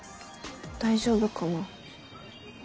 大丈夫かな。